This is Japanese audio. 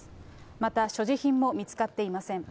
また所持品も見つかっていません。